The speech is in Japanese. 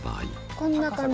こんな感じ？